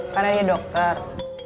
karena dia dokter